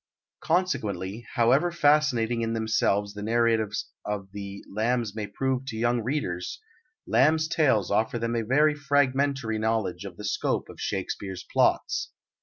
Consequently, however fascinating in themselves the narratives of the Lambs may prove to young readers, Lamb's Tales offer them a very fragmentary knowledge of the scope of Shakespeare's plots.